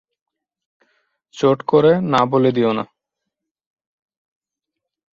চট করে না বলে দিও না।